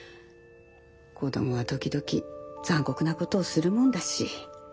子どもは時々残酷なことをするもんだし。